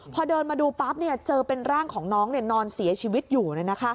พอเดินมาดูปั๊บเจอเป็นร่างของน้องนอนเสียชีวิตอยู่